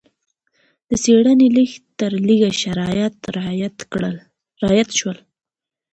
د څېړنې لږ تر لږه شرایط رعایت شول.